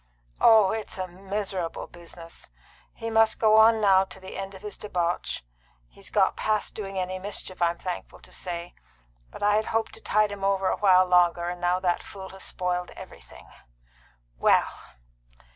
"Oh, it's a miserable business! He must go on now to the end of his debauch. He's got past doing any mischief, I'm thankful to say. But I had hoped to tide him over a while longer, and now that fool has spoiled everything. Well!"